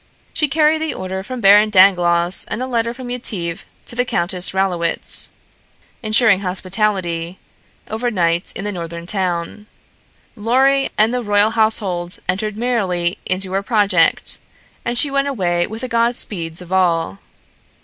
She carried the order from Baron Dangloss and a letter from Yetive to the Countess Rallowitz, insuring hospitality over night in the northern town. Lorry and the royal household entered merrily into her project, and she went away with the godspeeds of all.